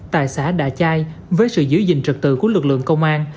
tại xã đạ chai với sự giữ gìn trật tự của lực lượng công an